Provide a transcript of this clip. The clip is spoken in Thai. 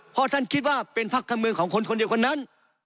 เพราะท่านคิดว่าเป็นพักการเมืองของคนคนเดียวคนนั้น